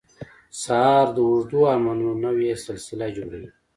سهار د اوږدو ارمانونو نوې سلسله جوړوي.